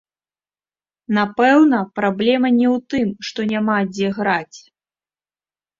Напэўна, праблема не ў тым, што няма дзе граць.